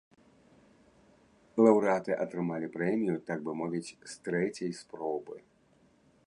Лаўрэаты атрымалі прэмію, так бы мовіць, з трэцяй спробы.